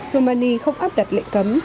romania không áp đặt lệnh cấm